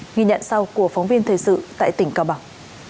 ghi nhận sau của phóng viên thời sự tại tỉnh cao bằng